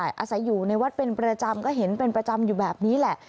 อาศัยอยู่ในวัดเป็นประจำก็เห็นเป็นประจำอยู่แบบนี้แหละ